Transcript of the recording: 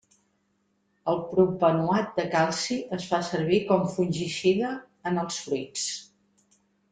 El propanoat de calci es fa servir com fungicida en els fruits.